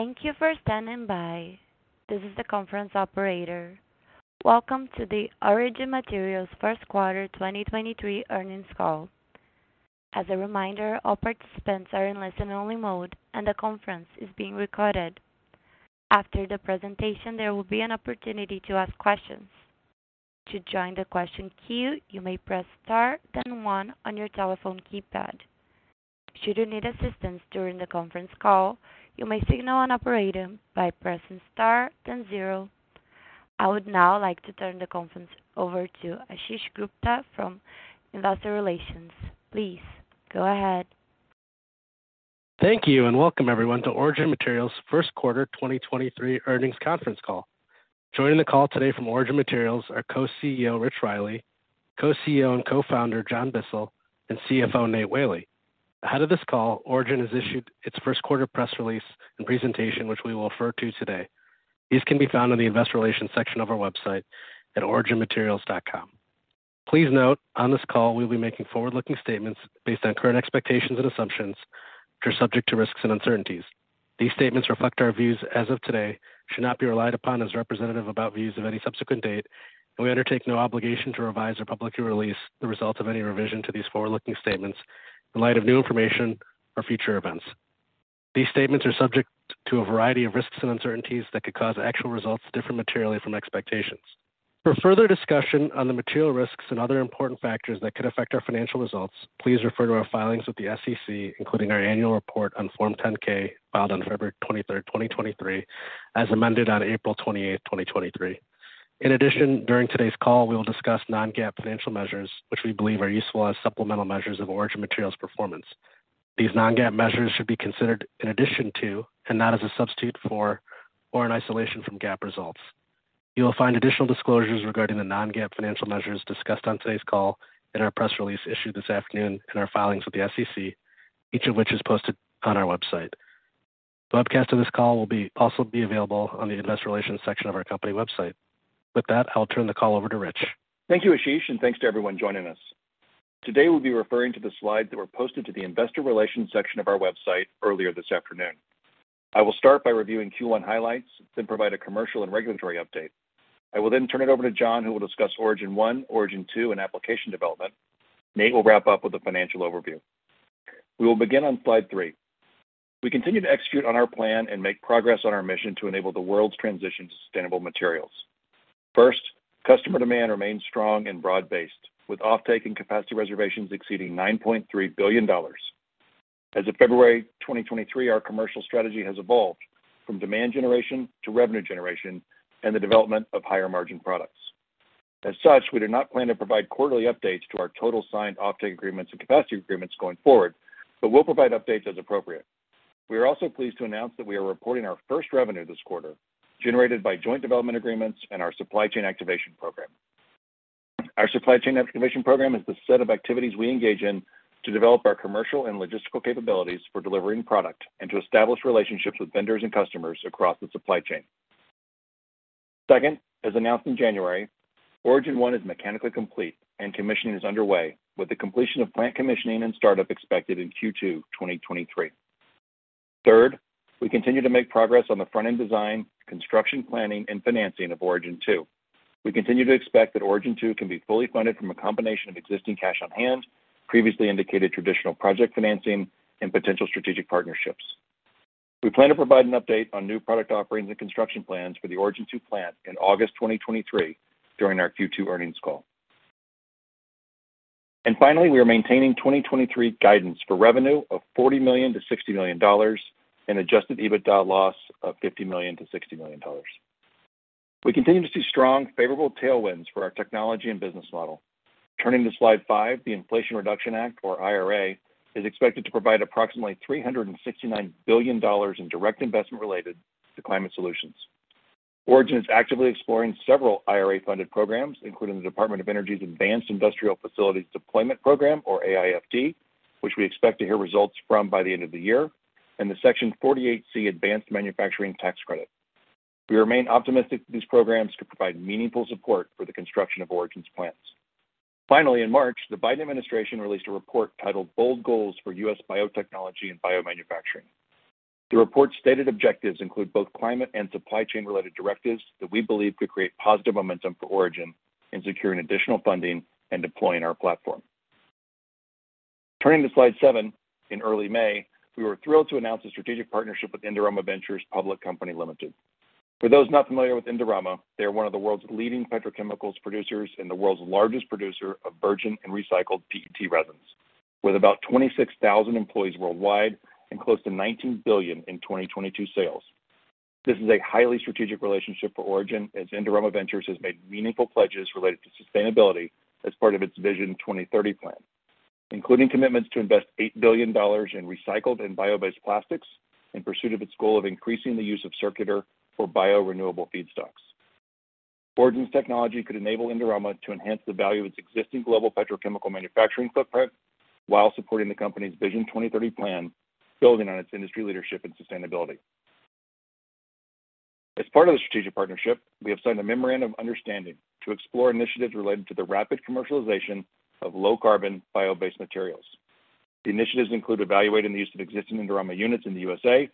Thank you for standing by. This is the conference operator. Welcome to the Origin Materials' First Quarter 2023 Earnings Call. As a reminder, all participants are in listen-only mode, and the conference is being recorded. After the presentation, there will be an opportunity to ask questions. To join the question queue, you may press star then one on your telephone keypad. Should you need assistance during the conference call, you may signal an operator by pressing star then zero. I would now like to turn the conference over to Ashish Gupta from Investor Relations. Please go ahead. Thank you and welcome everyone to Origin Materials' First Quarter 2023 Earnings Conference Call. Joining the call today from Origin Materials are Co-CEO, Rich Riley, Co-CEO and Co-Founder, John Bissell, and CFO, Nate Whaley. Ahead of this call, Origin has issued its first quarter press release and presentation, which we will refer to today. These can be found on the Investor Relations section of our website at originmaterials.com. Please note, on this call we'll be making forward-looking statements based on current expectations and assumptions, which are subject to risks and uncertainties. These statements reflect our views as of today, should not be relied upon as representative about views of any subsequent date, and we undertake no obligation to revise or publicly release the results of any revision to these forward-looking statements in light of new information or future events. These statements are subject to a variety of risks and uncertainties that could cause actual results to differ materially from expectations. For further discussion on the material risks and other important factors that could affect our financial results, please refer to our filings with the SEC, including our annual report on Form 10-K filed on February 23rd, 2023, as amended on April 28th, 2023. In addition, during today's call, we will discuss non-GAAP financial measures, which we believe are useful as supplemental measures of Origin Materials' performance. These non-GAAP measures should be considered in addition to and not as a substitute for or in isolation from GAAP results. You will find additional disclosures regarding the non-GAAP financial measures discussed on today's call in our press release issued this afternoon in our filings with the SEC, each of which is posted on our website. The webcast of this call also be available on the investor relations section of our company website. With that, I'll turn the call over to Rich. Thank you, Ashish. Thanks to everyone joining us. Today we'll be referring to the slides that were posted to the Investor Relations section of our website earlier this afternoon. I will start by reviewing Q1 highlights, then provide a commercial and regulatory update. I will then turn it over to John, who will discuss Origin 1, Origin 2, and application development. Nate will wrap up with a financial overview. We will begin on slide 3. We continue to execute on our plan and make progress on our mission to enable the world's transition to sustainable materials. First, customer demand remains strong and broad-based, with offtake and capacity reservations exceeding $9.3 billion. As of February 2023, our commercial strategy has evolved from demand generation to revenue generation and the development of higher margin products. As such, we do not plan to provide quarterly updates to our total signed offtake agreements and capacity agreements going forward, but we'll provide updates as appropriate. We are also pleased to announce that we are reporting our first revenue this quarter generated by joint development agreements and our supply chain activation program. Our supply chain activation program is the set of activities we engage in to develop our commercial and logistical capabilities for delivering product and to establish relationships with vendors and customers across the supply chain. Second, as announced in January, Origin 1 is mechanically complete and commissioning is underway with the completion of plant commissioning and startup expected in Q2 2023. Third, we continue to make progress on the front-end design, construction planning, and financing of Origin 2. We continue to expect that Origin 2 can be fully funded from a combination of existing cash on hand, previously indicated traditional project financing, and potential strategic partnerships. We plan to provide an update on new product offerings and construction plans for the Origin 2 plant in August 2023 during our Q2 earnings call. Finally, we are maintaining 2023 guidance for revenue of $40 million-$60 million and adjusted EBITDA loss of $50 million-$60 million. We continue to see strong favorable tailwinds for our technology and business model. Turning to slide five, the Inflation Reduction Act, or IRA, is expected to provide approximately $369 billion in direct investment related to climate solutions. Origin is actively exploring several IRA-funded programs, including the Department of Energy's Advanced Industrial Facilities Deployment Program, or AIFDP, which we expect to hear results from by the end of the year, and the Section 48C Advanced Manufacturing Tax Credit. We remain optimistic that these programs could provide meaningful support for the construction of Origin's plants. In March, the Biden administration released a report titled Bold Goals for U.S. Biotechnology and Biomanufacturing. The report's stated objectives include both climate and supply chain-related directives that we believe could create positive momentum for Origin in securing additional funding and deploying our platform. Turning to slide seven, in early May, we were thrilled to announce a strategic partnership with Indorama Ventures Public Company Limited. For those not familiar with Indorama, they are one of the world's leading petrochemicals producers and the world's largest producer of virgin and recycled PET resins, with about 26,000 employees worldwide and close to $19 billion in 2022 sales. This is a highly strategic relationship for Origin, as Indorama Ventures has made meaningful pledges related to sustainability as part of its Vision 2030 plan, including commitments to invest $8 billion in recycled and bio-based plastics in pursuit of its goal of increasing the use of circular for bio-renewable feedstocks. Origin's technology could enable Indorama to enhance the value of its existing global petrochemical manufacturing footprint while supporting the company's Vision 2030 plan, building on its industry leadership and sustainability. As part of the strategic partnership, we have signed a memorandum of understanding to explore initiatives related to the rapid commercialization of low carbon bio-based materials. The initiatives include evaluating the use of existing Indorama units in the USA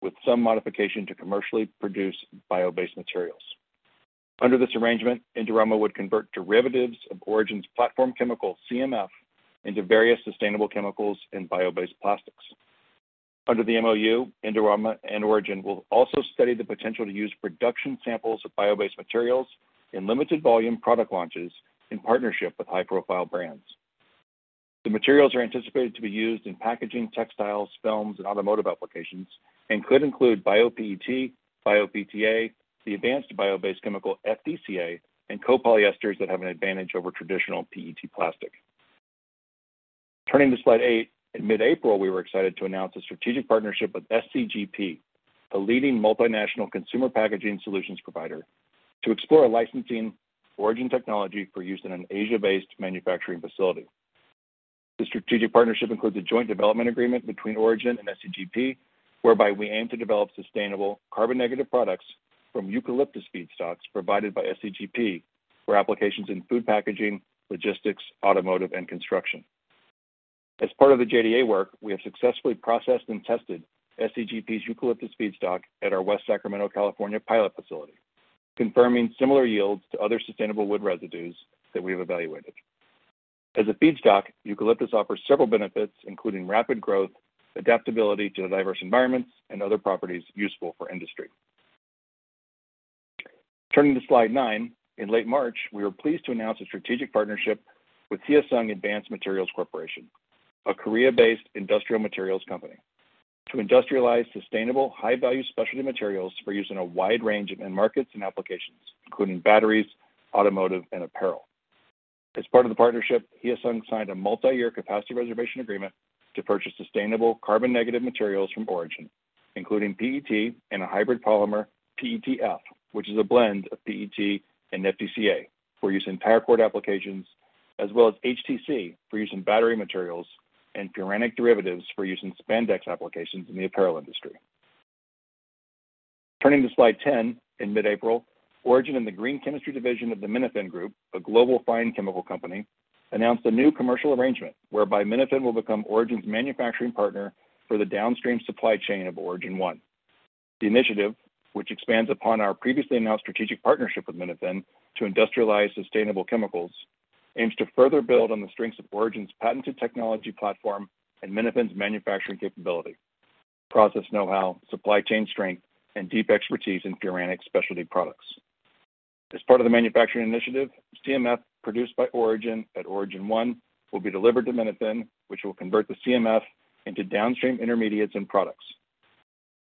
with some modification to commercially produce bio-based materials. Under this arrangement, Indorama would convert derivatives of Origin's platform chemical CMF into various sustainable chemicals and bio-based plastics. Under the MoU, Indorama and Origin will also study the potential to use production samples of bio-based materials in limited volume product launches in partnership with high-profile brands. The materials are anticipated to be used in packaging, textiles, films, and automotive applications, and could include Bio-PET, Bio-PTA, the advanced bio-based chemical FDCA, and co-polyesters that have an advantage over traditional PET plastic. Turning to slide eight, in mid-April, we were excited to announce a strategic partnership with SCGP, a leading multinational consumer packaging solutions provider, to explore licensing Origin technology for use in an Asia-based manufacturing facility. The strategic partnership includes a joint development agreement between Origin and SCGP, whereby we aim to develop sustainable carbon-negative products from eucalyptus feedstocks provided by SCGP for applications in food packaging, logistics, automotive, and construction. As part of the JDA work, we have successfully processed and tested SCGP's eucalyptus feedstock at our West Sacramento, California pilot facility, confirming similar yields to other sustainable wood residues that we have evaluated. As a feedstock, eucalyptus offers several benefits, including rapid growth, adaptability to diverse environments, and other properties useful for industry. Turning to slide nine, in late March, we were pleased to announce a strategic partnership with Hyosung Advanced Materials Corporation, a Korea-based industrial materials company, to industrialize sustainable high-value specialty materials for use in a wide range of end markets and applications, including batteries, automotive, and apparel. As part of the partnership, Hyosung signed a multi-year capacity reservation agreement to purchase sustainable carbon-negative materials from Origin, including PET and a hybrid polymer, PETF, which is a blend of PET and FDCA for use in power cord applications, as well as HTC for use in battery materials and furan derivatives for use in spandex applications in the apparel industry. Turning to slide 10, in mid-April, Origin and the Green Chemistry Division of the Minafin Group, a global fine chemical company, announced a new commercial arrangement whereby Minafin will become Origin's manufacturing partner for the downstream supply chain of Origin 1. The initiative, which expands upon our previously announced strategic partnership with Minafin to industrialize sustainable chemicals, aims to further build on the strengths of Origin's patented technology platform and Minafin's manufacturing capability, process know-how, supply chain strength, and deep expertise in furan specialty products. As part of the manufacturing initiative, CMF, produced by Origin at Origin 1, will be delivered to Minafin, which will convert the CMF into downstream intermediates and products.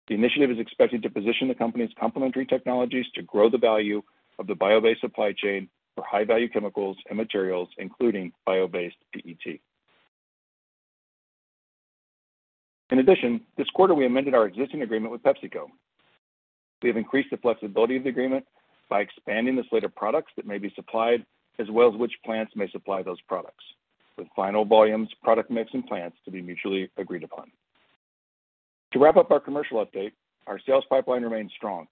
The initiative is expected to position the company's complementary technologies to grow the value of the bio-PET supply chain for high-value chemicals and materials, including bio-PET. This quarter we amended our existing agreement with PepsiCo. We have increased the flexibility of the agreement by expanding the slate of products that may be supplied, as well as which plants may supply those products, with final volumes, product mix, and plants to be mutually agreed upon. To wrap up our commercial update, our sales pipeline remains strong.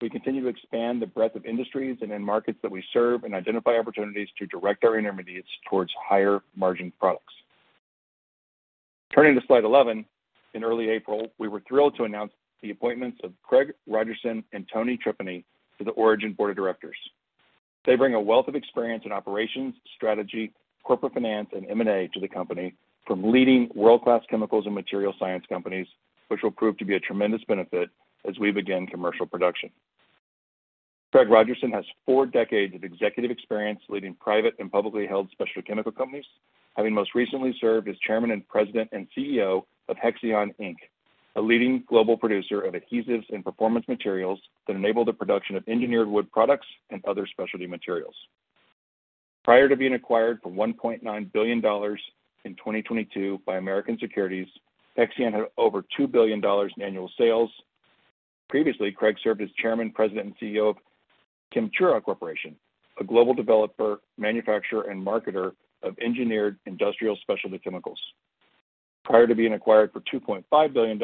We continue to expand the breadth of industries and end markets that we serve and identify opportunities to direct our intermediates towards higher margin products. Turning to slide 11, in early April, we were thrilled to announce the appointments of Craig Rogerson and Tony Tripeny to the Origin Board of Directors. They bring a wealth of experience in operations, strategy, corporate finance, and M&A to the company from leading world-class chemicals and material science companies, which will prove to be a tremendous benefit as we begin commercial production. Craig Rogerson has four decades of executive experience leading private and publicly held specialty chemical companies, having most recently served as Chairman and President and CEO of Hexion Inc, a leading global producer of adhesives and performance materials that enable the production of engineered wood products and other specialty materials. Prior to being acquired for $1.9 billion in 2022 by American Securities, Hexion had over $2 billion in annual sales. Previously, Craig served as Chairman, President, and CEO of Chemtura Corporation, a global developer, manufacturer, and marketer of engineered industrial specialty chemicals. Prior to being acquired for $2.5 billion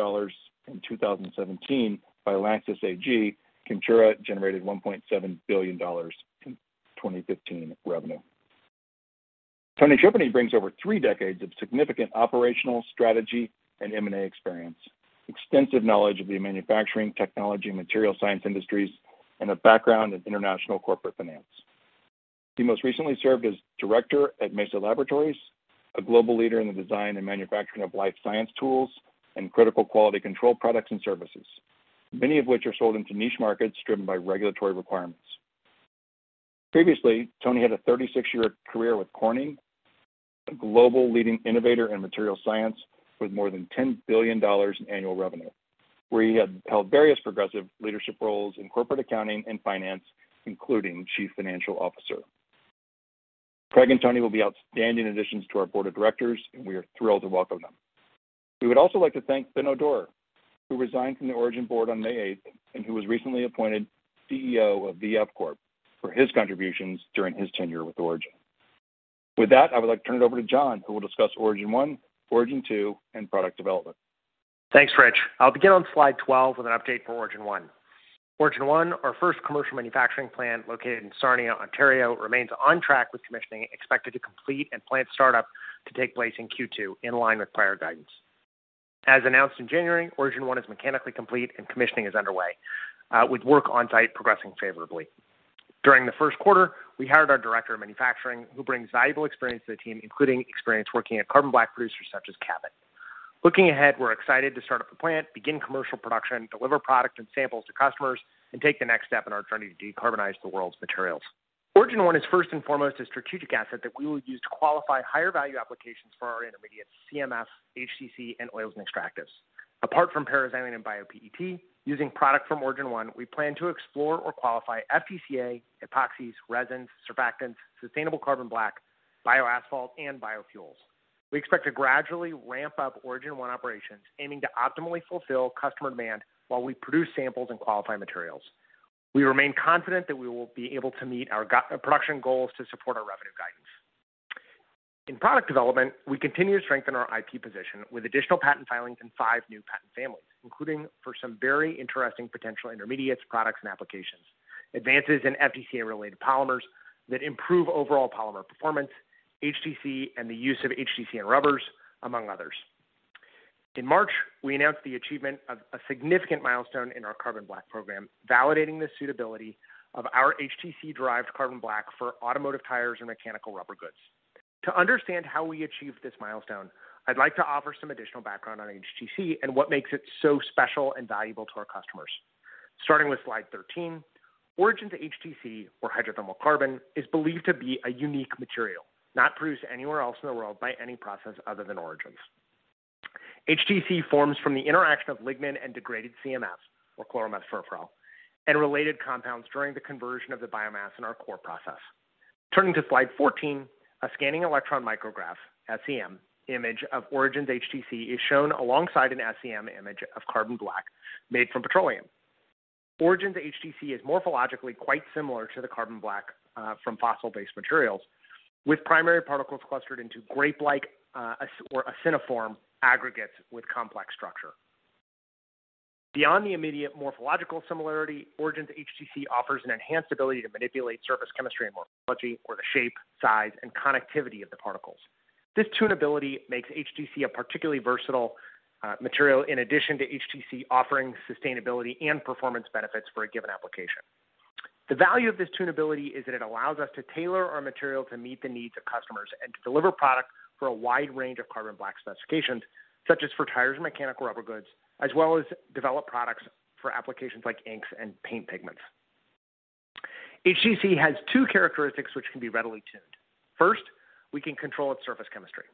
in 2017 by LANXESS AG, Chemtura generated $1.7 billion in 2015 revenue. Tony Tripeny brings over three decades of significant operational strategy and M&A experience, extensive knowledge of the manufacturing, technology, and material science industries, and a background in international corporate finance. He most recently served as director at Mesa Laboratories, a global leader in the design and manufacturing of life science tools and critical quality control products and services, many of which are sold into niche markets driven by regulatory requirements. Previously, Tony had a 36-year career with Corning, a global leading innovator in material science with more than $10 billion in annual revenue, where he had held various progressive leadership roles in corporate accounting and finance, including Chief Financial Officer. Craig and Tony will be outstanding additions to our Board of Directors, and we are thrilled to welcome them. We would also like to thank Benno O. Dorer, who resigned from the Origin Board on May 8th and who was recently appointed CEO of VF Corporation, for his contributions during his tenure with Origin. With that, I would like to turn it over to John Bissell, who will discuss Origin 1, Origin 2, and product development. Thanks, Rich. I'll begin on slide 12 with an update for Origin 1. Origin 1, our first commercial manufacturing plant located in Sarnia, Ontario, remains on track, with commissioning expected to complete and plant startup to take place in Q2, in line with prior guidance. As announced in January, Origin 1 is mechanically complete and commissioning is underway, with work on-site progressing favorably. During the first quarter, we hired our director of manufacturing, who brings valuable experience to the team, including experience working at carbon black producers such as Cabot. Looking ahead, we're excited to start up the plant, begin commercial production, deliver product and samples to customers, and take the next step in our journey to decarbonize the world's materials. Origin 1 is first and foremost a strategic asset that we will use to qualify higher value applications for our intermediate CMF, HTC, and oils and extractives. Apart from para-xylene and Bio-PET, using product from Origin 1, we plan to explore or qualify FDCA, epoxies, resins, surfactants, sustainable carbon black, bio-asphalt, and biofuels. We expect to gradually ramp up Origin 1 operations, aiming to optimally fulfill customer demand while we produce samples and qualify materials. We remain confident that we will be able to meet our production goals to support our revenue guidance. In product development, we continue to strengthen our IP position with additional patent filings in five new patent families, including for some very interesting potential intermediates, products and applications, advances in FDCA-related polymers that improve overall polymer performance, HTC and the use of HTC in rubbers, among others. In March, we announced the achievement of a significant milestone in our carbon black program, validating the suitability of our HTC-derived carbon black for automotive tires and mechanical rubber goods. To understand how we achieved this milestone, I'd like to offer some additional background on HTC and what makes it so special and valuable to our customers. Starting with slide 13, Origin's HTC, or hydrothermal carbon, is believed to be a unique material not produced anywhere else in the world by any process other than Origin's. HTC forms from the interaction of lignin and degraded CMF, or chloromethylfurfural, and related compounds during the conversion of the biomass in our core process. Turning to slide 14, a scanning electron micrograph, SEM, image of Origin's HTC is shown alongside an SEM image of carbon black made from petroleum. Origin's HTC is morphologically quite similar to the carbon black from fossil-based materials, with primary particles clustered into grape-like aciniform aggregates with complex structure. Beyond the immediate morphological similarity, Origin's HTC offers an enhanced ability to manipulate surface chemistry and morphology or the shape, size, and connectivity of the particles. This tunability makes HTC a particularly versatile material in addition to HTC offering sustainability and performance benefits for a given application. The value of this tunability is that it allows us to tailor our material to meet the needs of customers and to deliver product for a wide range of carbon black specifications, such as for tires and mechanical rubber goods, as well as develop products for applications like inks and paint pigments. HTC has two characteristics which can be readily tuned. First, we can control its surface chemistry.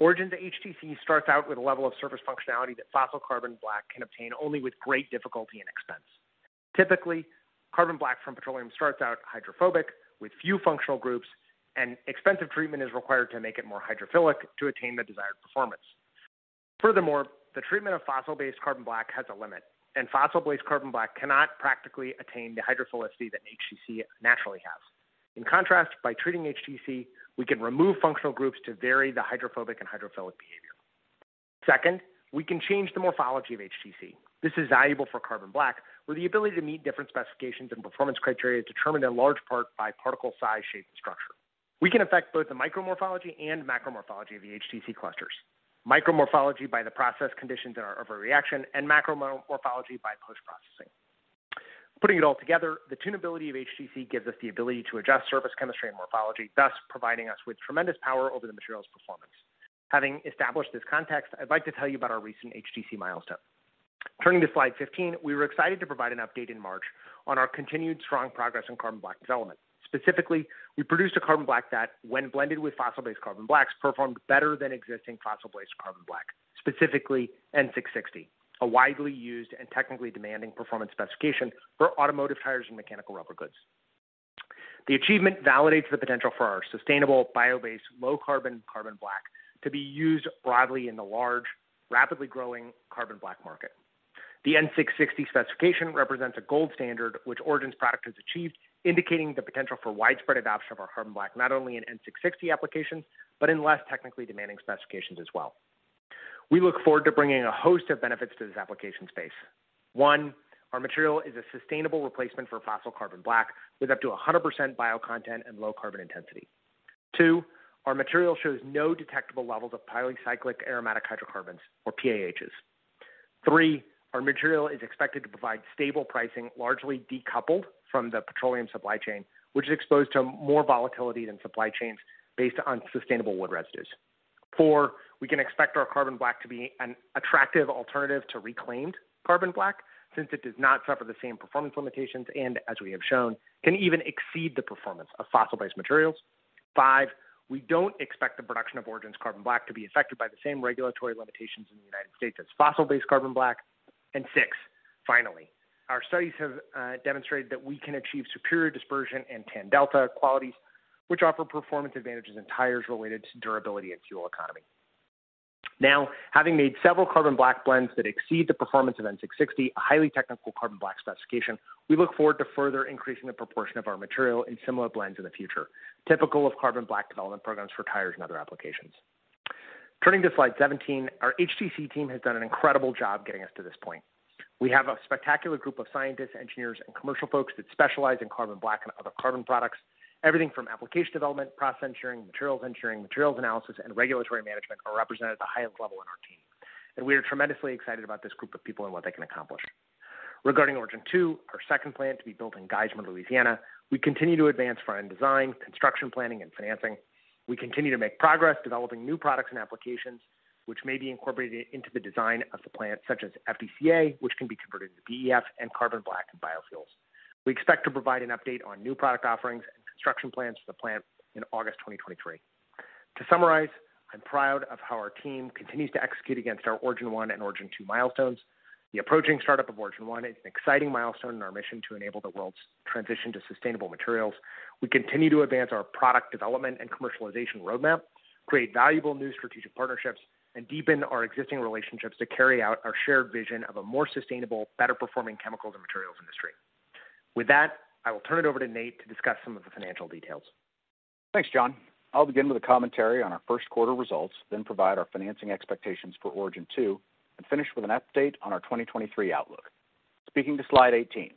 Origin's HTC starts out with a level of surface functionality that fossil carbon black can obtain only with great difficulty and expense. Typically, carbon black from petroleum starts out hydrophobic with few functional groups, and expensive treatment is required to make it more hydrophilic to attain the desired performance. Furthermore, the treatment of fossil-based carbon black has a limit, and fossil-based carbon black cannot practically attain the hydrophilicity that HTC naturally has. In contrast, by treating HTC, we can remove functional groups to vary the hydrophobic and hydrophilic behavior. Second, we can change the morphology of HTC. This is valuable for carbon black, with the ability to meet different specifications and performance criteria determined in large part by particle size, shape, and structure. We can affect both the micro morphology and macro morphology of the HTC clusters. Micro morphology by the process conditions in our overall reaction and macro morphology by post-processing. Putting it all together, the tunability of HTC gives us the ability to adjust surface chemistry and morphology, thus providing us with tremendous power over the material's performance. Having established this context, I'd like to tell you about our recent HTC milestone. Turning to slide 15, we were excited to provide an update in March on our continued strong progress in carbon black development. Specifically, we produced a carbon black that when blended with fossil-based carbon blacks, performed better than existing fossil-based carbon black. Specifically N660, a widely used and technically demanding performance specification for automotive tires and mechanical rubber goods. The achievement validates the potential for our sustainable bio-based low carbon carbon black to be used broadly in the large, rapidly growing carbon black market. The N660 specification represents a gold standard which Origin Materials' product has achieved, indicating the potential for widespread adoption of our carbon black not only in N660 applications, but in less technically demanding specifications as well. We look forward to bringing a host of benefits to this application space. One, our material is a sustainable replacement for fossil carbon black with up to 100% bio content and low carbon intensity. Two, our material shows no detectable levels of polycyclic aromatic hydrocarbons or PAHs. Three, our material is expected to provide stable pricing, largely decoupled from the petroleum supply chain, which is exposed to more volatility than supply chains based on sustainable wood residues. Four, we can expect our carbon black to be an attractive alternative to reclaimed carbon black, since it does not suffer the same performance limitations and as we have shown, can even exceed the performance of fossil-based materials. Five, we don't expect the production of Origin's carbon black to be affected by the same regulatory limitations in the United States as fossil-based carbon black. Six, finally, our studies have demonstrated that we can achieve superior dispersion and tan delta qualities which offer performance advantages in tires related to durability and fuel economy. Now, having made several carbon black blends that exceed the performance of N660, a highly technical carbon black specification, we look forward to further increasing the proportion of our material in similar blends in the future. Typical of carbon black development programs for tires and other applications. Turning to slide 17, our HTC team has done an incredible job getting us to this point. We have a spectacular group of scientists, engineers, and commercial folks that specialize in carbon black and other carbon products. Everything from application development, process engineering, materials engineering, materials analysis, and regulatory management are represented at the highest level in our team, and we are tremendously excited about this group of people and what they can accomplish. Regarding Origin 2, our second plant to be built in Geismar, Louisiana. We continue to advance front-end design, construction planning, and financing. We continue to make progress developing new products and applications which may be incorporated into the design of the plant, such as FDCA, which can be converted into PEF and carbon black and biofuels. We expect to provide an update on new product offerings and construction plans for the plant in August 2023. To summarize, I'm proud of how our team continues to execute against our Origin 1 and Origin 2 milestones. The approaching startup of Origin 1 is an exciting milestone in our mission to enable the world's transition to sustainable materials. We continue to advance our product development and commercialization roadmap, create valuable new strategic partnerships, and deepen our existing relationships to carry out our shared vision of a more sustainable, better performing chemicals and materials industry. With that, I will turn it over to Nate to discuss some of the financial details. Thanks, John. I'll begin with a commentary on our first quarter results, provide our financing expectations for Origin 2 and finish with an update on our 2023 outlook. Speaking to slide 18,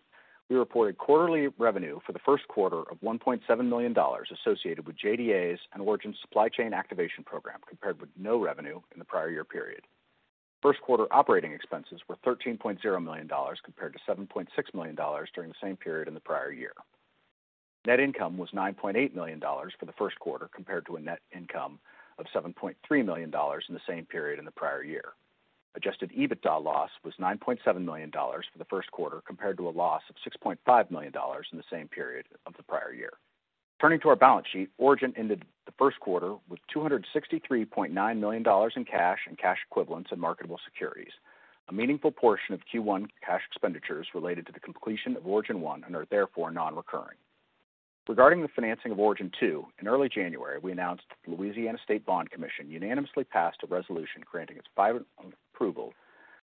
we reported quarterly revenue for the first quarter of $1.7 million associated with JDAs and Origin's supply chain activation program, compared with no revenue in the prior year period. First quarter operating expenses were $13.0 million, compared to $7.6 million during the same period in the prior year. Net income was $9.8 million for the first quarter, compared to a net income of $7.3 million in the same period in the prior year. Adjusted EBITDA loss was $9.7 million for the first quarter, compared to a loss of $6.5 million in the same period of the prior year. Turning to our balance sheet, Origin ended the first quarter with $263.9 million in cash and cash equivalents and marketable securities. A meaningful portion of Q1 cash expenditures related to the completion of Origin 1 and are therefore non-recurring. Regarding the financing of Origin 2, in early January, we announced that the Louisiana State Bond Commission unanimously passed a resolution granting its final approval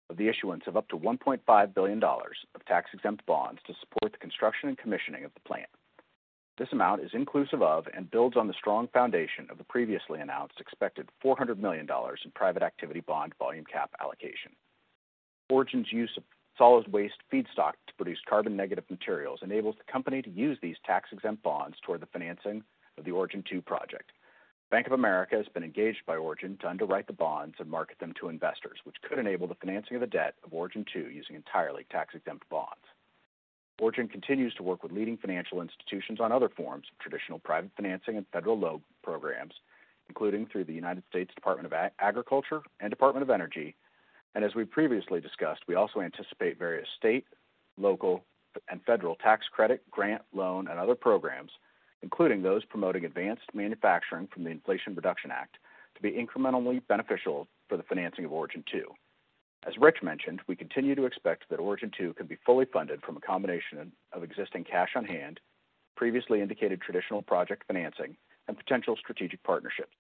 of the issuance of up to $1.5 billion of tax-exempt bonds to support the construction and commissioning of the plant. This amount is inclusive of and builds on the strong foundation of the previously announced expected $400 million in private activity bond volume cap allocation. Origin's use of solid waste feedstock to produce carbon-negative materials enables the company to use these tax-exempt bonds toward the financing of the Origin 2 project. Bank of America has been engaged by Origin to underwrite the bonds and market them to investors, which could enable the financing of the debt of Origin 2 using entirely tax-exempt bonds. Origin continues to work with leading financial institutions on other forms of traditional private financing and federal loan programs, including through the United States Department of Agriculture and Department of Energy. As we previously discussed, we also anticipate various state, local and federal tax credit, grant, loan, and other programs, including those promoting advanced manufacturing from the Inflation Reduction Act, to be incrementally beneficial for the financing of Origin 2. As Rich mentioned, we continue to expect that Origin 2 can be fully funded from a combination of existing cash on hand, previously indicated traditional project financing, and potential strategic partnerships.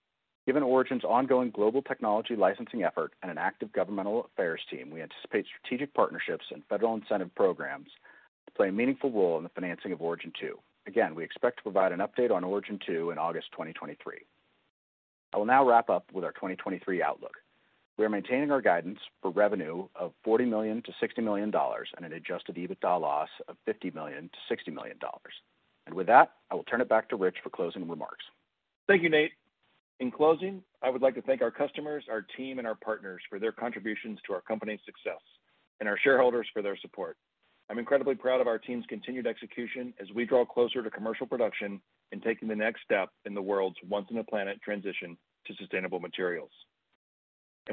Given Origin's ongoing global technology licensing effort and an active governmental affairs team, we anticipate strategic partnerships and federal incentive programs to play a meaningful role in the financing of Origin 2. Again, we expect to provide an update on Origin 2 in August 2023. I will now wrap up with our 2023 outlook. We are maintaining our guidance for revenue of $40 million-$60 million and an adjusted EBITDA loss of $50 million-$60 million. With that, I will turn it back to Rich for closing remarks. Thank you, Nate. In closing, I would like to thank our customers, our team, and our partners for their contributions to our company's success and our shareholders for their support. I'm incredibly proud of our team's continued execution as we draw closer to commercial production and taking the next step in the world's once in a planet transition to sustainable materials.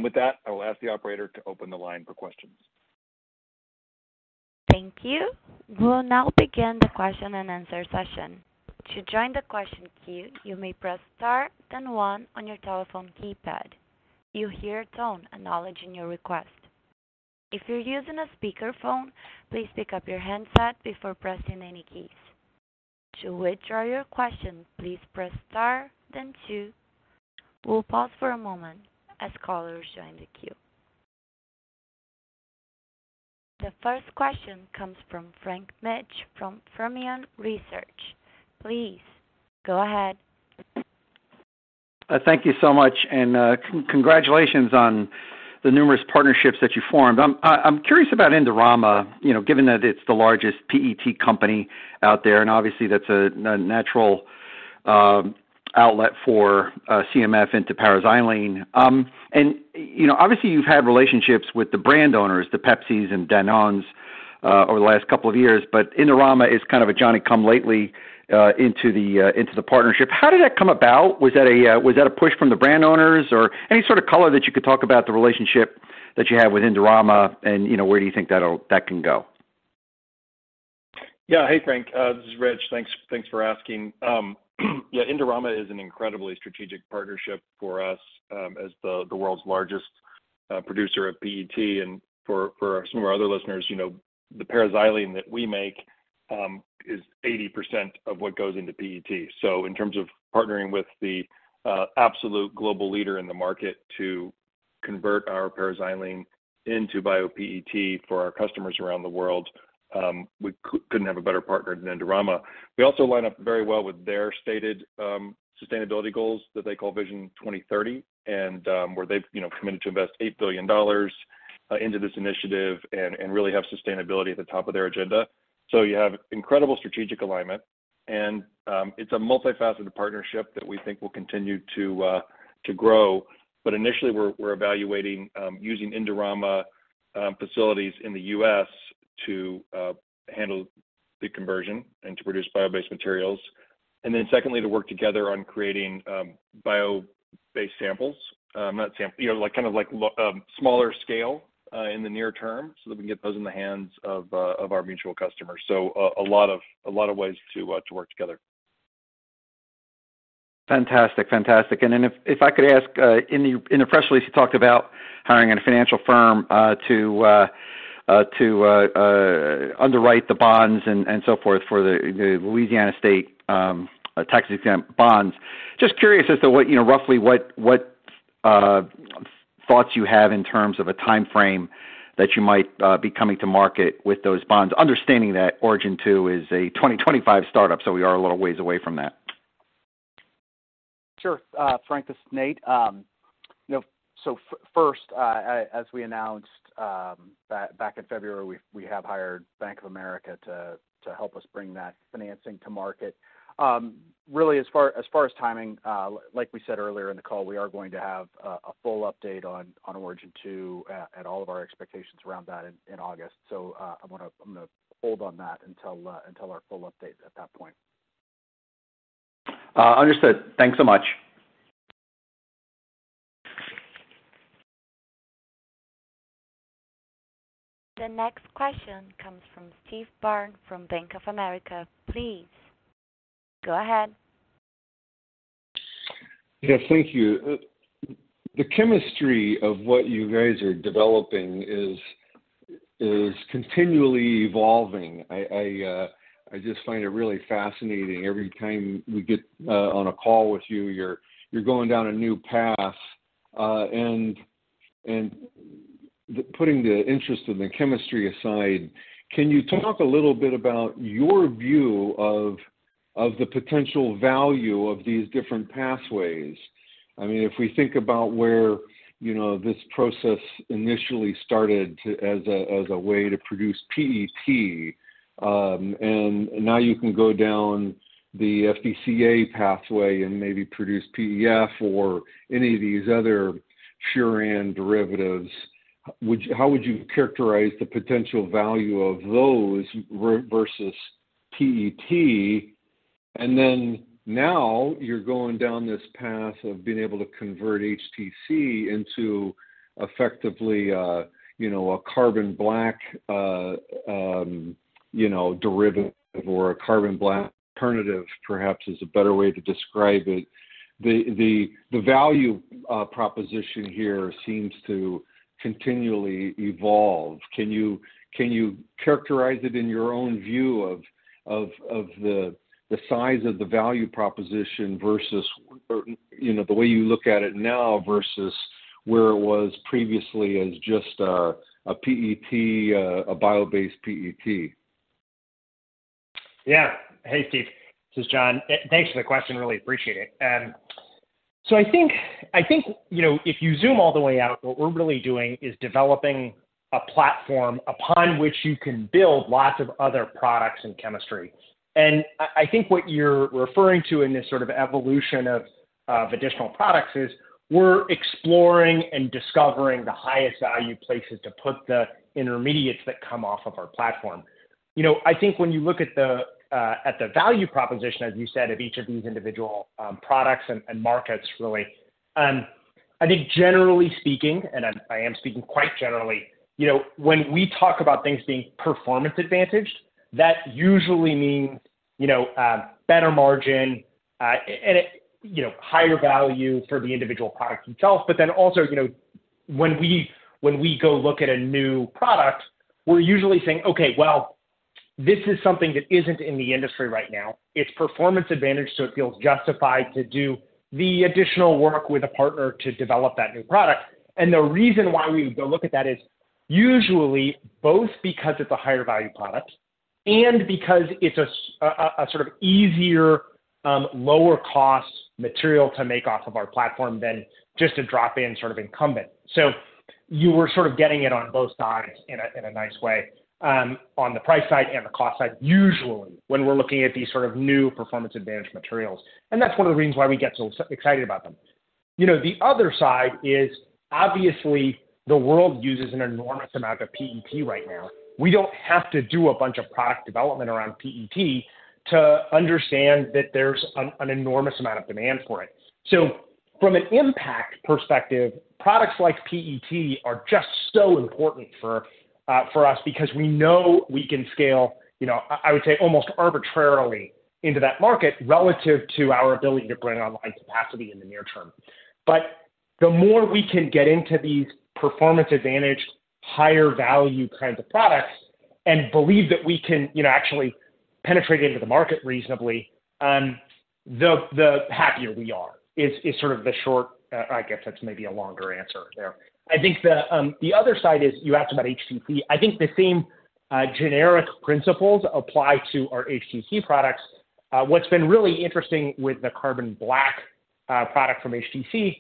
With that, I will ask the operator to open the line for questions. Thank you. We'll now begin the question and answer session. To join the question queue, you may press Star then one on your telephone keypad. You'll hear a tone acknowledging your request. If you're using a speakerphone, please pick up your handset before pressing any keys. To withdraw your question, please press star then two. We'll pause for a moment as callers join the queue. The first question comes from Frank Mitsch from Fermium Research. Please go ahead. Thank you so much and congratulations on the numerous partnerships that you formed. I'm curious about Indorama, you know, given that it's the largest PET company out there, and obviously that's a natural outlet for CMF into paraxylene. You know, obviously you've had relationships with the brand owners, the PepsiCo and Danone, over the last couple of years, but Indorama is kind of a Johnny come lately into the partnership. How did that come about? Was that a push from the brand owners? Any sort of color that you could talk about the relationship that you have with Indorama and, you know, where do you think that'll, that can go? Yeah. Hey, Frank, this is Rich. Thanks for asking. Yeah, Indorama is an incredibly strategic partnership for us, as the world's largest. A producer of PET and for some of our other listeners, you know, the paraxylene that we make is 80% of what goes into PET. In terms of partnering with the absolute global leader in the market to convert our paraxylene into bio-PET for our customers around the world, we couldn't have a better partner than Indorama. We also line up very well with their stated sustainability goals that they call Vision 2030, and, where they've, you know, committed to invest $8 billion into this initiative and really have sustainability at the top of their agenda. You have incredible strategic alignment, and it's a multifaceted partnership that we think will continue to grow. Initially, we're evaluating using Indorama facilities in the U.S. to handle the conversion and to produce bio-based materials. Secondly, to work together on creating bio-based samples. Not sample, you know, like, kind of like smaller scale in the near term so that we can get those in the hands of our mutual customers. A lot of ways to work together. Fantastic. Fantastic. If I could ask, in the press release, you talked about hiring a financial firm to underwrite the bonds and so forth for the Louisiana State tax-exempt bonds. Just curious as to what, you know, roughly what thoughts you have in terms of a timeframe that you might be coming to market with those bonds, understanding that Origin 2 is a 2025 startup, we are a little ways away from that. Sure. Frank, this is Nate. you know, first, as we announced back in February, we have hired Bank of America to help us bring that financing to market. really as far as timing, like we said earlier in the call, we are going to have a full update on Origin 2 and all of our expectations around that in August. I'm gonna hold on that until our full update at that point. Understood. Thanks so much. The next question comes from Steve Byrne from Bank of America. Please go ahead. Yeah. Thank you. The chemistry of what you guys are developing is continually evolving. I just find it really fascinating every time we get on a call with you're going down a new path. Putting the interest in the chemistry aside, can you talk a little bit about your view of the potential value of these different pathways? I mean, if we think about where, you know, this process initially started as a way to produce PET, and now you can go down the FDCA pathway and maybe produce PEF or any of these other furan derivatives, how would you characterize the potential value of those versus PET? Now you're going down this path of being able to convert HTC into effectively, you know, a carbon black, you know, derivative or a carbon black alternative perhaps is a better way to describe it. The value proposition here seems to continually evolve. Can you characterize it in your own view of the size of the value proposition versus, or, you know, the way you look at it now versus where it was previously as just, a PET, a bio-based PET? Hey, Steve, this is John. Thanks for the question. Really appreciate it. I think, you know, if you zoom all the way out, what we're really doing is developing a platform upon which you can build lots of other products and chemistry. I think what you're referring to in this sort of evolution of additional products is we're exploring and discovering the highest value places to put the intermediates that come off of our platform. You know, I think when you look at the, at the value proposition, as you said, of each of these individual, products and markets really, I think generally speaking, and I am speaking quite generally, you know, when we talk about things being performance advantaged, that usually means, you know, better margin, and it, you know, higher value for the individual product itself. Also, you know, when we go look at a new product, we're usually saying, "Okay, well, this is something that isn't in the industry right now. It's performance advantaged. It feels justified to do the additional work with a partner to develop that new product. The reason why we go look at that is usually both because it's a higher value product and because it's a sort of easier, lower cost material to make off of our platform than just a drop-in sort of incumbent. You were sort of getting it on both sides in a nice way, on the price side and the cost side, usually, when we're looking at these sort of new performance advantaged materials, and that's one of the reasons why we get so excited about them. You know, the other side is, obviously the world uses an enormous amount of PET right now. We don't have to do a bunch of product development around PET to understand that there's an enormous amount of demand for it. From an impact perspective, products like PET are just so important for us because we know we can scale, you know, I would say almost arbitrarily into that market relative to our ability to bring online capacity in the near term. The more we can get into these performance advantage, higher value kinds of products and believe that we can, you know, actually penetrate into the market reasonably, the happier we are is sort of the short, I guess that's maybe a longer answer there. I think the other side is you asked about HTC. I think the same generic principles apply to our HTC products. What's been really interesting with the carbon black product from HTC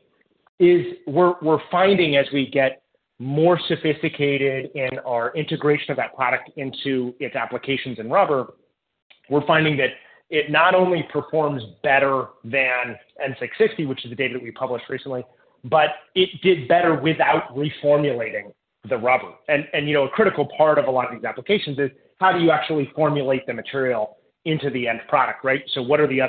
is we're finding as we get more sophisticated in our integration of that product into its applications in rubber, we're finding that it not only performs better than N660, which is the data that we published recently, but it did better without reformulating the rubber. You know, a critical part of a lot of these applications is how do you actually formulate the material into the end product, right? What are the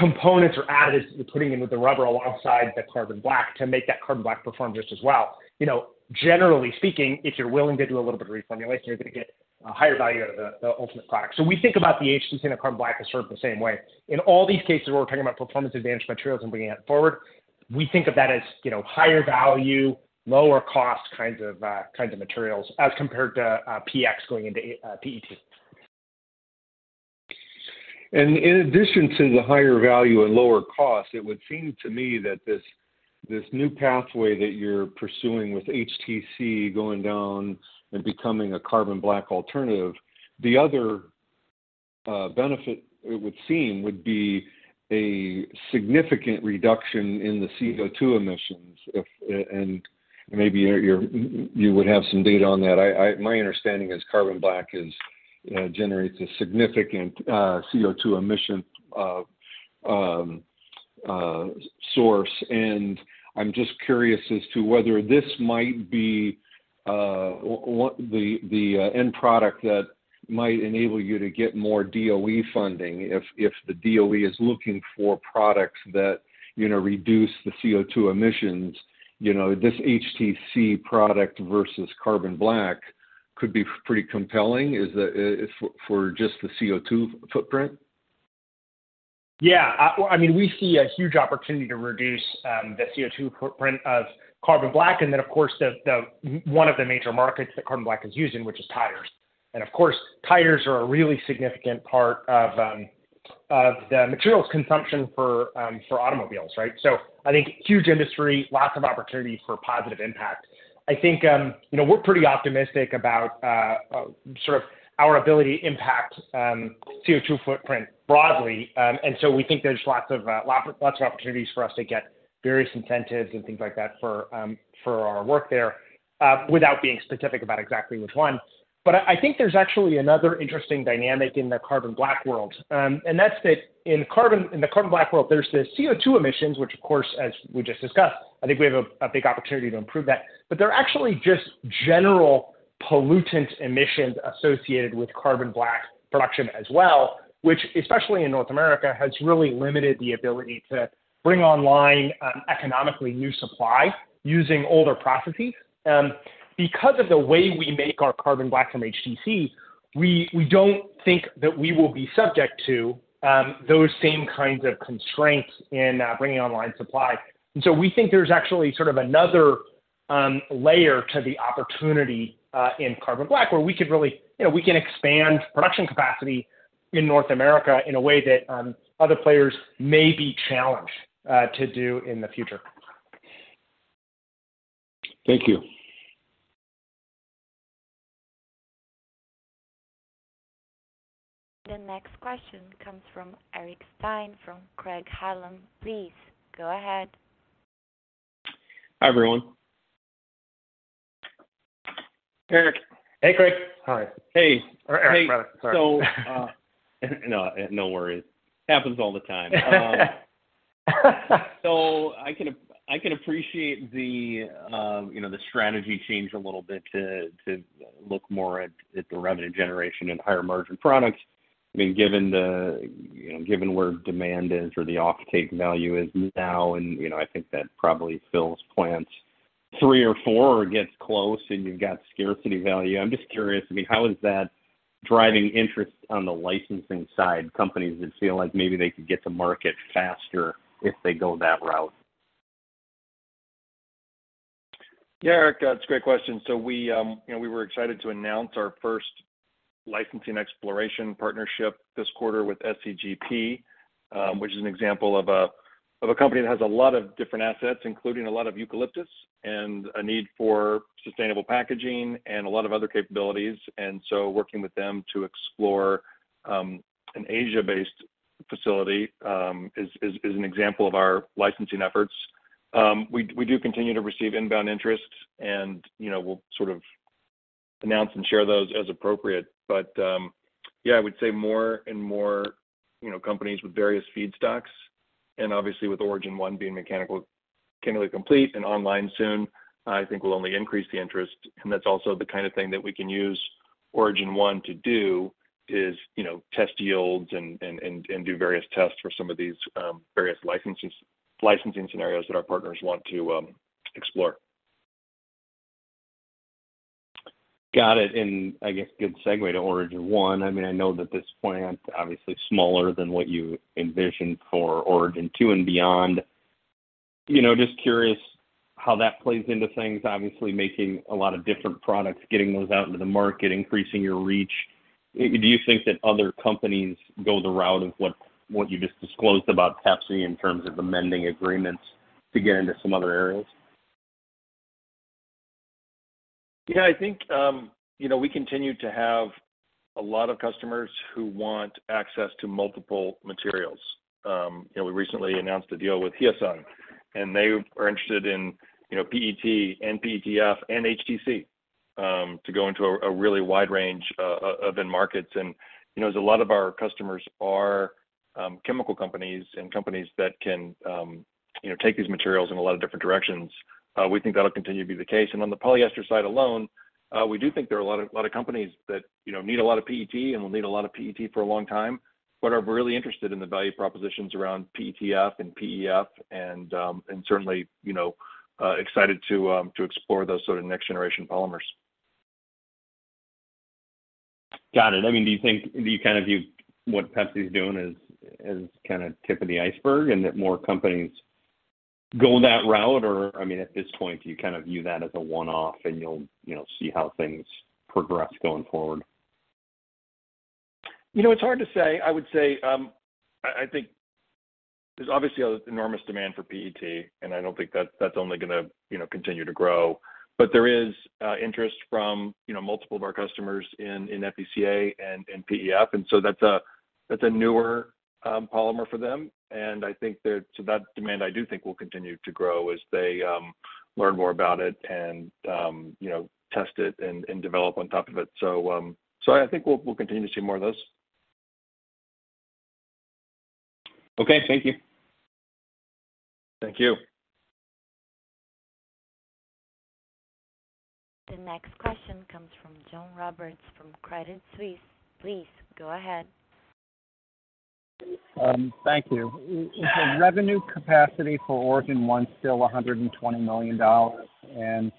other components or additives you're putting in with the rubber alongside the carbon black to make that carbon black perform just as well? You know, generally speaking, if you're willing to do a little bit of reformulation, you're gonna get a higher value out of the ultimate product. We think about the HTC and the carbon black as sort of the same way. In all these cases where we're talking about performance advantage materials and bringing that forward, we think of that as, you know, higher value, lower cost kinds of materials as compared to PX going into PET. In addition to the higher value and lower cost, it would seem to me that this new pathway that you're pursuing with HTC going down and becoming a carbon black alternative, the other benefit it would seem, would be a significant reduction in the CO2 emissions if, and maybe you would have some data on that. My understanding is carbon black generates a significant CO2 emission source, and I'm just curious as to whether this might be what the end product that might enable you to get more DOE funding if the DOE is looking for products that, you know, reduce the CO2 emissions. You know, this HTC product versus carbon black could be pretty compelling. Is that for just the CO2 footprint? I mean, we see a huge opportunity to reduce the CO2 footprint of carbon black and then of course one of the major markets that carbon black is used in, which is tires. Of course, tires are a really significant part of the materials consumption for automobiles, right? I think huge industry, lots of opportunity for positive impact. I think, you know, we're pretty optimistic about sort of our ability to impact CO2 footprint broadly. We think there's lots of opportunities for us to get various incentives and things like that for our work there, without being specific about exactly which one. I think there's actually another interesting dynamic in the carbon black world. That's that in carbon, in the carbon black world, there's the CO2 emissions, which of course, as we just discussed, I think we have a big opportunity to improve that. There are actually just general pollutant emissions associated with carbon black production as well, which especially in North America, has really limited the ability to bring online economically new supply using older processes. Because of the way we make our carbon black from HTC, we don't think that we will be subject to those same kinds of constraints in bringing online supply. We think there's actually sort of another layer to the opportunity in carbon black where we could really, you know, we can expand production capacity in North America in a way that other players may be challenged to do in the future. Thank you. The next question comes from Eric Stine from Craig-Hallum. Please go ahead. Hi, everyone. Eric. Hey, Craig. Hi. Hey. Eric, rather. Sorry. No, no worries. Happens all the time. I can appreciate the, you know, the strategy change a little bit to look more at the revenue generation and higher margin products. I mean, given the, you know, given where demand is or the offtake value is now and, you know, I think that probably fills plants three or four or gets close and you've got scarcity value. I'm just curious, I mean, how is that driving interest on the licensing side, companies that feel like maybe they could get to market faster if they go that route? Eric, that's a great question. We, you know, we were excited to announce our first licensing exploration partnership this quarter with SCGP, which is an example of a company that has a lot of different assets, including a lot of eucalyptus and a need for sustainable packaging and a lot of other capabilities. Working with them to explore an Asia-based facility is an example of our licensing efforts. We do continue to receive inbound interest and, you know, we'll sort of announce and share those as appropriate. I would say more and more, you know, companies with various feedstocks, and obviously with Origin 1 being mechanical- chemically complete and online soon, I think will only increase the interest. That's also the kind of thing that we can use Origin 1 to do is, you know, test yields and do various tests for some of these, various licensing scenarios that our partners want to explore. Got it. I guess good segue to Origin 1. I mean, I know that this plant obviously smaller than what you envisioned for Origin 2 and beyond. You know, just curious how that plays into things. Obviously, making a lot of different products, getting those out into the market, increasing your reach. Do you think that other companies go the route of what you just disclosed about Pepsi in terms of amending agreements to get into some other areas? Yeah, I think, you know, we continue to have a lot of customers who want access to multiple materials. You know, we recently announced a deal with Hyosung, and they are interested in, you know, PET and PETF and HTC to go into a really wide range of end markets. You know, as a lot of our customers are chemical companies and companies that can, you know, take these materials in a lot of different directions, we think that'll continue to be the case. On the polyester side alone, we do think there are a lot of companies that, you know, need a lot of PET and will need a lot of PET for a long time, but are really interested in the value propositions around PETF and PEF and certainly, you know, excited to explore those sort of next generation polymers. Got it. I mean, do you kind of view what PepsiCo is doing as kind of tip of the iceberg and that more companies go that route? I mean, at this point, do you kind of view that as a one-off and you'll, you know, see how things progress going forward? You know, it's hard to say. I would say, I think there's obviously a enormous demand for PET, and I don't think that's only gonna, you know, continue to grow. There is, interest from, you know, multiple of our customers in FDCA and PEF. That's a newer, polymer for them. That demand, I do think will continue to grow as they, learn more about it and, you know, test it and develop on top of it. I think we'll continue to see more of those. Okay. Thank you. Thank you. The next question comes from John Roberts from Credit Suisse. Please go ahead. Thank you. Is the revenue capacity for Origin 1 still $120 million?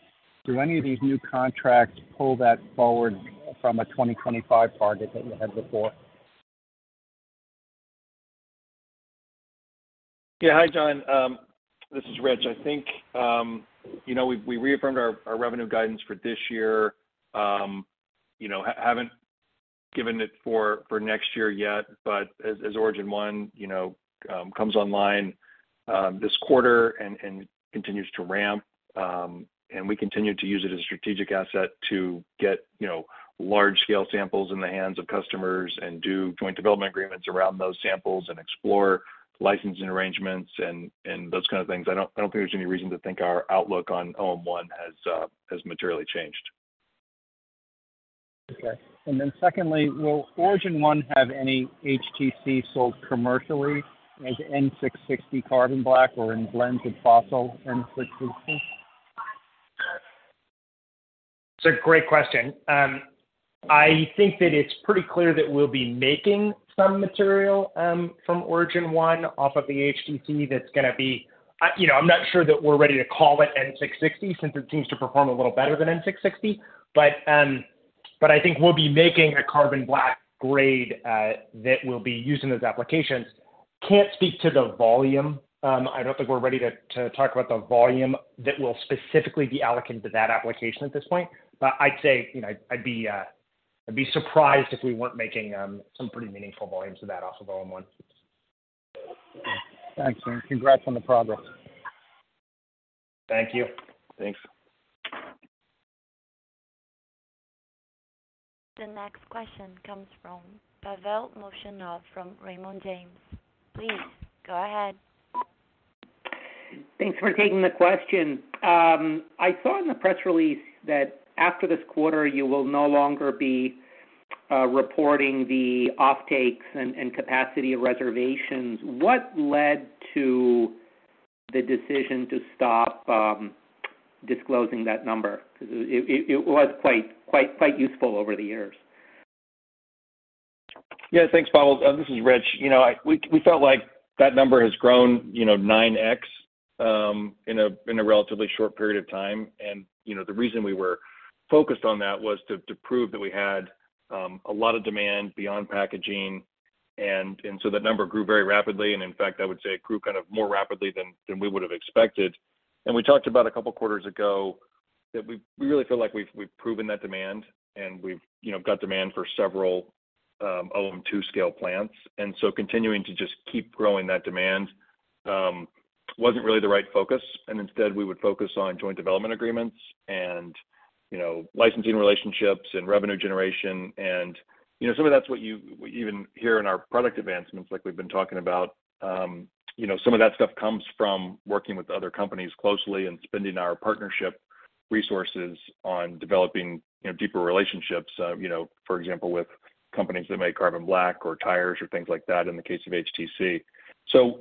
Do any of these new contracts pull that forward from a 2025 target that you had before? Yeah. Hi, John. This is Rich. I think, you know, we reaffirmed our revenue guidance for this year. You know, haven't given it for next year yet. As Origin 1, you know, comes online this quarter and continues to ramp, and we continue to use it as a strategic asset to get, you know, large scale samples in the hands of customers and do joint development agreements around those samples and explore licensing arrangements and those kind of things, I don't think there's any reason to think our outlook on Origin 1 has materially changed. Okay. Secondly, will Origin 1 have any HTC sold commercially as N660 carbon black or in blends with fossil N660? It's a great question. I think that it's pretty clear that we'll be making some material from Origin 1 off of the HTC that's gonna be, you know, I'm not sure that we're ready to call it N660, since it seems to perform a little better than N660. I think we'll be making a carbon black grade that will be used in those applications. Can't speak to the volume. I don't think we're ready to talk about the volume that will specifically be allocated to that application at this point. I'd say, you know, I'd be surprised if we weren't making some pretty meaningful volumes of that off of Origin 1. Thanks, man. Congrats on the progress. Thank you. Thanks. The next question comes from Pavel Molchanov from Raymond James. Please go ahead. Thanks for taking the question. I saw in the press release that after this quarter, you will no longer be reporting the offtakes and capacity reservations. What led to the decision to stop disclosing that number? Because it was quite useful over the years. Yeah. Thanks, Pavel. This is Rich. You know, we felt like that number has grown, you know, 9x in a relatively short period of time. You know, the reason we were focused on that was to prove that we had a lot of demand beyond packaging. That number grew very rapidly, and in fact, I would say it grew kind of more rapidly than we would have expected. We talked about a couple of quarters ago that we really feel like we've proven that demand, and we've, you know, got demand for several Origin 2 scale plants. Continuing to just keep growing that demand wasn't really the right focus. Instead, we would focus on joint development agreements and, you know, licensing relationships and revenue generation. You know, some of that's what you even here in our product advancements, like we've been talking about, you know, some of that stuff comes from working with other companies closely and spending our partnership resources on developing, you know, deeper relationships, you know, for example, with companies that make carbon black or tires or things like that in the case of HTC.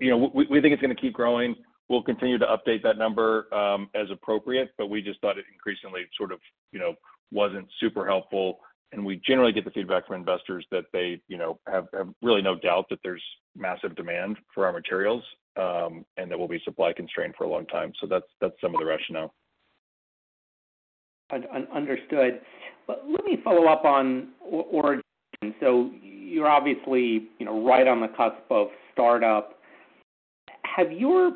You know, we think it's gonna keep growing. We'll continue to update that number, as appropriate, but we just thought it increasingly sort of, you know, wasn't super helpful. We generally get the feedback from investors that they, you know, have really no doubt that there's massive demand for our materials, and that we'll be supply constrained for a long time. That's some of the rationale. understood. Let me follow up on Origin. You're obviously, you know, right on the cusp of startup. Have your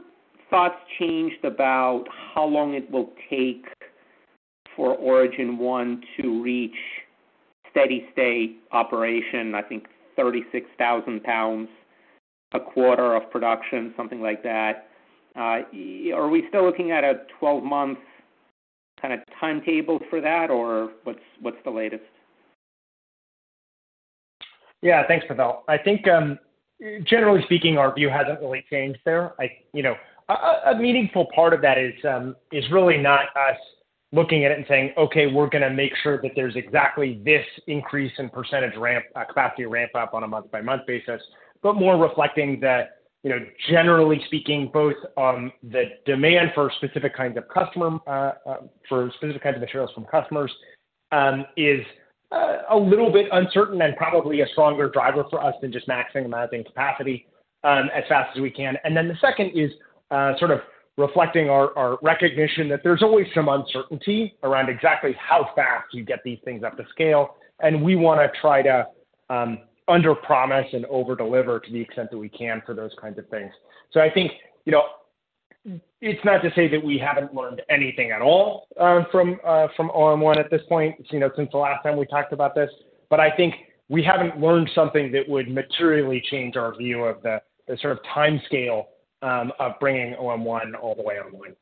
thoughts changed about how long it will take for Origin 1 to reach steady state operation? I think 36,000 pounds a quarter of production, something like that. Are we still looking at a 12-month kinda timetable for that? What's the latest? Yeah. Thanks, Pavel. I think, generally speaking, our view hasn't really changed there. I, you know. A meaningful part of that is really not us looking at it and saying, "Okay, we're gonna make sure that there's exactly this increase in percentage ramp, capacity ramp up on a month-by-month basis," but more reflecting that, you know, generally speaking, both on the demand for specific kinds of customer, for specific kinds of materials from customers, is a little bit uncertain and probably a stronger driver for us than just maxing amount of capacity, as fast as we can. The second is, sort of reflecting our recognition that there's always some uncertainty around exactly how fast you get these things up to scale, and we wanna try to underpromise and overdeliver to the extent that we can for those kinds of things. I think, you know, it's not to say that we haven't learned anything at all, from Origin 1 at this point, you know, since the last time we talked about this. I think we haven't learned something that would materially change our view of the sort of timescale, of bringing Origin 1 all the way online.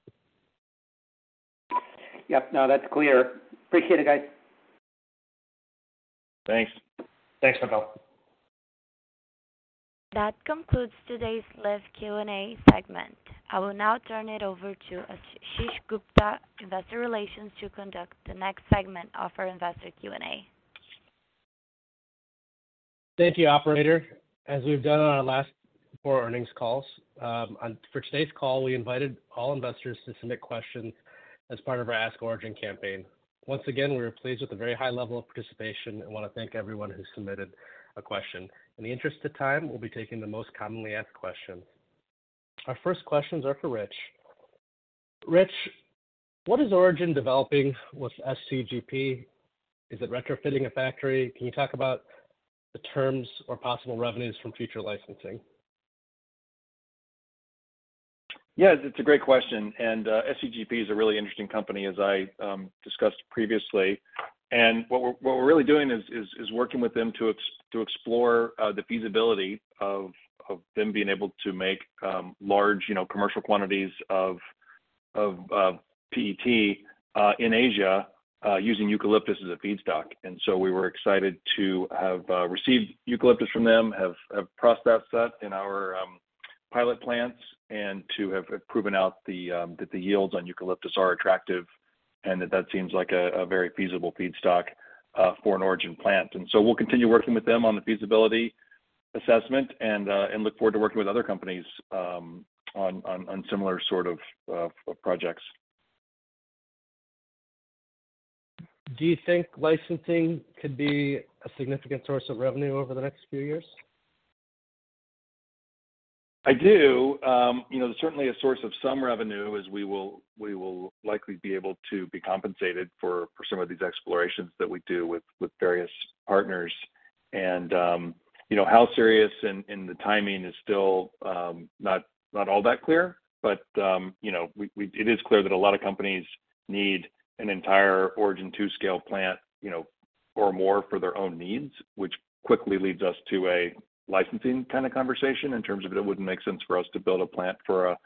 Yep. No, that's clear. Appreciate it, guys. Thanks. Thanks, Pavel. That concludes today's live Q&A segment. I will now turn it over to Ashish Gupta, Investor Relations, to conduct the next segment of our investor Q&A. Thank you, operator. As we've done on our last four earnings calls, for today's call, we invited all investors to submit questions as part of our Ask Origin campaign. Once again, we are pleased with the very high level of participation and wanna thank everyone who submitted a question. In the interest of time, we'll be taking the most commonly asked questions. Our first questions are for Rich. Rich, what is Origin developing with SCGP? Is it retrofitting a factory? Can you talk about the terms or possible revenues from future licensing? Yes, it's a great question. SCGP is a really interesting company as I discussed previously. What we're really doing is working with them to explore the feasibility of them being able to make large, you know, commercial quantities of PET in Asia using eucalyptus as a feedstock. So we were excited to have received eucalyptus from them, have processed that in our pilot plants and to have proven out that the yields on eucalyptus are attractive and that that seems like a very feasible feedstock for an Origin plant. So we'll continue working with them on the feasibility assessment and look forward to working with other companies on similar sort of projects. Do you think licensing could be a significant source of revenue over the next few years? I do. You know, certainly a source of some revenue as we will likely be able to be compensated for some of these explorations that we do with various partners. You know, how serious and the timing is still not all that clear. You know, we it is clear that a lot of companies need an entire Origin 2 scale plant, you know, or more for their own needs, which quickly leads us to a licensing kind of conversation in terms of it wouldn't make sense for us to build a plant for a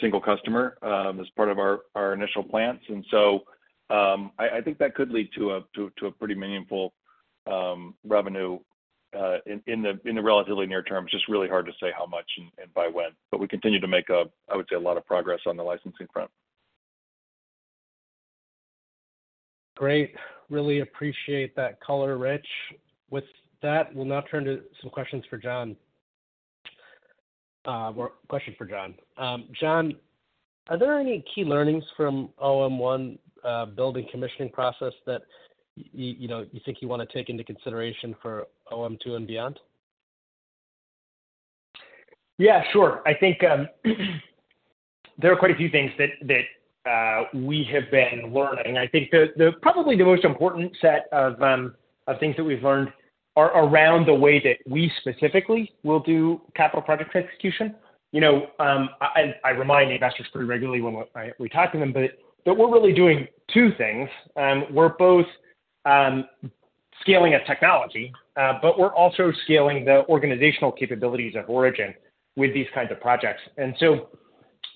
single customer as part of our initial plants. I think that could lead to a pretty meaningful revenue in the relatively near term. Just really hard to say how much and by when. We continue to make a, I would say, lot of progress on the licensing front. Great. Really appreciate that color, Rich. With that, we'll now turn to a question for John. John, are there any key learnings from Origin 1, building commissioning process that you know, you think you wanna take into consideration for Origin 2 and beyond? Yeah, sure. I think there are quite a few things that we have been learning. I think the probably the most important set of things that we've learned are around the way that we specifically will do capital projects execution. You know, I remind investors pretty regularly when we talk to them, but we're really doing two things. We're both scaling a technology, but we're also scaling the organizational capabilities of Origin with these kinds of projects.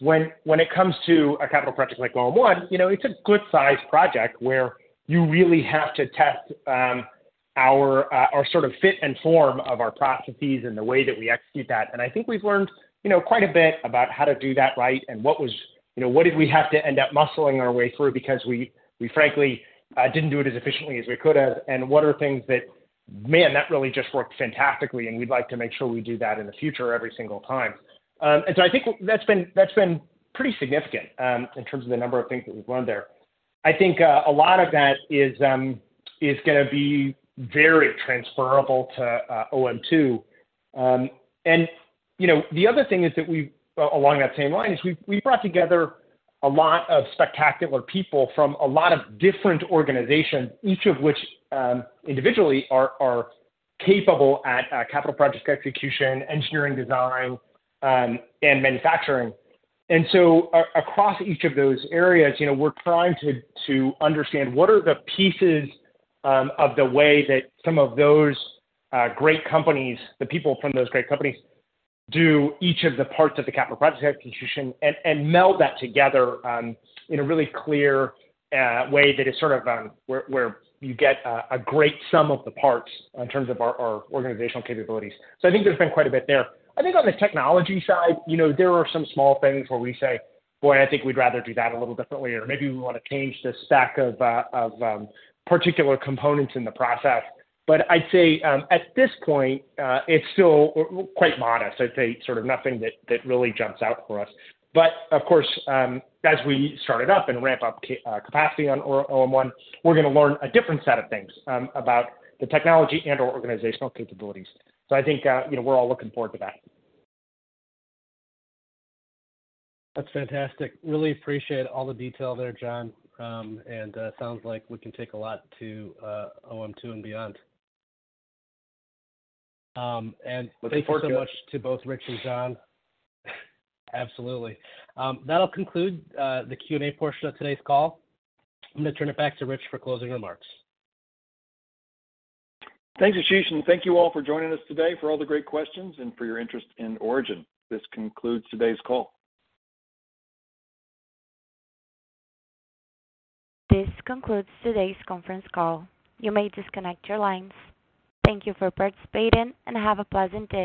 When it comes to a capital project like Origin 1, you know, it's a good size project where you really have to test our sort of fit and form of our processes and the way that we execute that. I think we've learned, you know, quite a bit about how to do that right and what was, you know, what did we have to end up muscling our way through because we frankly, didn't do it as efficiently as we could have and what are things that, man, that really just worked fantastically and we'd like to make sure we do that in the future every single time. I think that's been, that's been pretty significant, in terms of the number of things that we've learned there. I think a lot of that is gonna be very transferable to OM two. You know, the other thing is that we've along that same line is we've brought together a lot of spectacular people from a lot of different organizations, each of which, individually are capable at capital project execution, engineering design, and manufacturing. Across each of those areas, you know, we're trying to understand what are the pieces of the way that some of those great companies, the people from those great companies do each of the parts of the capital project execution and meld that together in a really clear way that is sort of where you get a great sum of the parts in terms of our organizational capabilities. I think there's been quite a bit there. I think on the technology side, you know, there are some small things where we say, "Boy, I think we'd rather do that a little differently," or, "Maybe we wanna change the stack of particular components in the process." I'd say, at this point, it's still quite modest. I'd say sort of nothing that really jumps out for us. Of course, as we start it up and ramp up capacity on Origin 1, we're gonna learn a different set of things about the technology and/or organizational capabilities. I think, you know, we're all looking forward to that. That's fantastic. Really appreciate all the detail there, John. Sounds like we can take a lot to OM-two and beyond. Thank you so much to both Rich and John. Absolutely. That'll conclude the Q&A portion of today's call. I'm gonna turn it back to Rich for closing remarks. Thanks, Ashish, and thank you all for joining us today, for all the great questions and for your interest in Origin. This concludes today's call. This concludes today's conference call. You may disconnect your lines. Thank you for participating, and have a pleasant day.